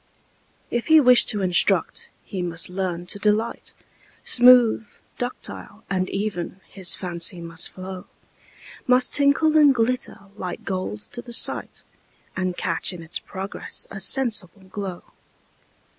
If he wish to instruct, he must learn to delight, Smooth, ductile, and even, his fancy must flow, Must tinkle and glitter like gold to the sight, And catch in its progress a sensible glow.